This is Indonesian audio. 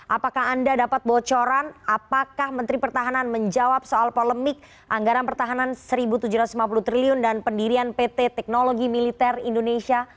apakah anda dapat bocoran apakah menteri pertahanan menjawab soal polemik anggaran pertahanan rp satu tujuh ratus lima puluh triliun dan pendirian pt teknologi militer indonesia